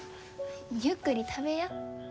ゆっくり食べや。